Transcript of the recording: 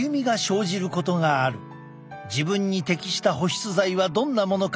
自分に適した保湿剤はどんなものか